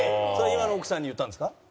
それは今の奥さんに言ったんですか？